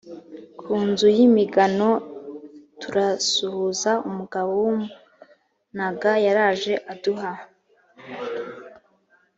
ku nzu y imigano turasuhuza umugabo w umunaga yaraje aduha